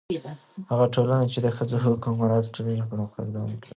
هغه ټولنه چې د ښځو حقونه مراعتوي، ټولنیز پرمختګ دوام لري.